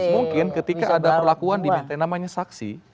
mungkin ketika ada perlakuan diminta namanya saksi